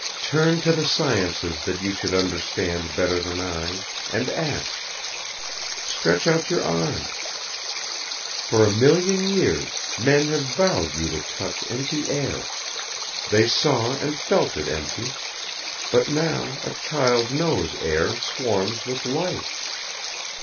"Turn to the sciences that you should understand better than I, and ask. Stretch out your arm. For a million years men have vowed you touch empty air. They saw and felt it empty. But now a child knows air swarms with life.